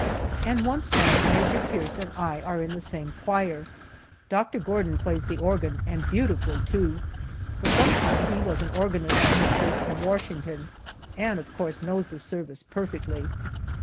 And once more Major Pierce and I are in the same choir. Doctor Gordon plays the organ, and beautifully, too. For some time he was organist in a church at Washington, and of course knows the service perfectly.